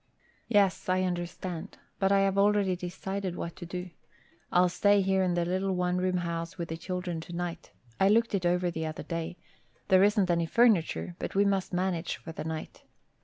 "Yes, I understand, but I have already decided what to do. I'll stay here in the little one room house with the children tonight. I looked it over the other day. There isn't any furniture, but we must manage for the night.